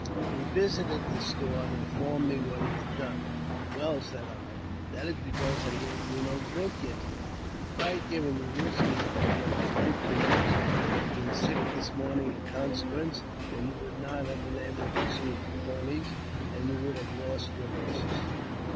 He visited the store, and informed me what he had done. "Well," said I, "that is because I gave you no whisky yesterday. If I had given you whisky, you would have drunk too much, and been sick this morning in consequence. Then you would not have been able to pursue the Pawnees, and you would have lost your horses."